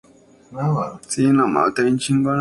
Tenía una hermana menor, Anna.